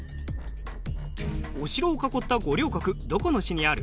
お城を囲った五稜郭どこの市にある？